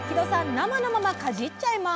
生のままかじっちゃいます！